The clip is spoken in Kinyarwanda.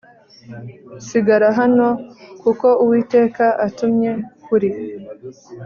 sigara hano kuko Uwiteka antumye kuri